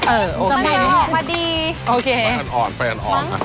เออโอเคมันจะออกมาดี